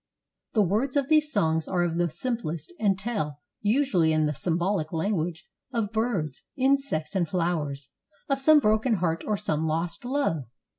The words of these songs are of the simplest, and tell, usually in the symbolic language, of birds, insects, and flowers, of some broken heart or some lost love.